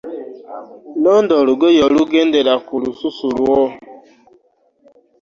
Londa olugoye olugendeera ku lususu lwo.